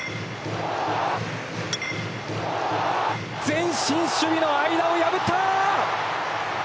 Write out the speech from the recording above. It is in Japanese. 前進守備の間を破った！